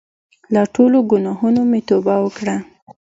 له ټولو ګناهونو مې توبه وکړه.